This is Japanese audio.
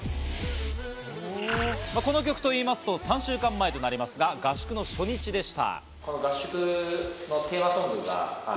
この曲と言いますと３週間前となりますが、合宿の初日でした。